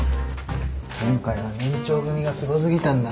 今回は年長組がすごすぎたんだ。